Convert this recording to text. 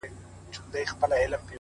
نړيږي جوړ يې کړئ دېوال په اسويلو نه سي”